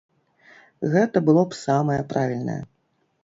Гэта было б самае правільнае.